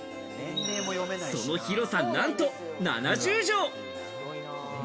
その広さなんと７０畳。